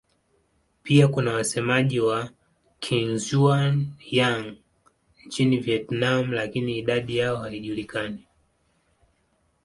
Pia kuna wasemaji wa Kizhuang-Yang nchini Vietnam lakini idadi yao haijulikani.